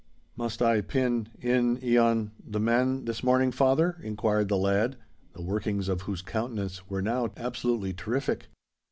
"Must I—pin—in—ion the man this morning, father?" inquired the lad, the workings of whose countenance were now absolutely terrific.